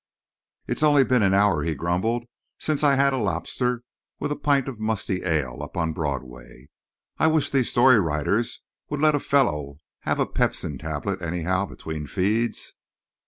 "It's only been an hour," he grumbled, "since I had a lobster and a pint of musty ale up on Broadway. I wish these story writers would let a fellow have a pepsin tablet, anyhow, between feeds."